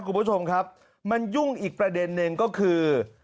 คุณผู้ชมครับมันยุ่งอีกประเด็นหนึ่งก็คือ